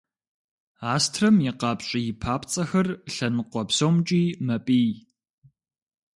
Астрэм и къапщӏий папцӏэхэр лъэныкъуэ псомкӏи мэпӏий.